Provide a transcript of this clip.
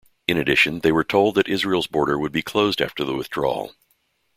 In addition, they were told that Israel's border would be closed after the withdrawal.